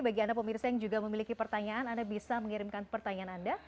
bagi anda pemirsa yang juga memiliki pertanyaan anda bisa mengirimkan pertanyaan anda